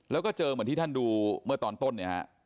แล้วก็เจอเหมือนที่ท่านดูเมื่อตอนต้นเนี่ยฮะ